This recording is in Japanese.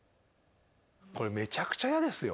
これめちゃくちゃ嫌ですよ。